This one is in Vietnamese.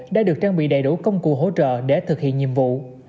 đã được trang bị đầy đủ công cụ hỗ trợ để thực hiện nhiệm vụ